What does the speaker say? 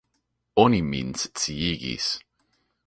Oni min sciigis.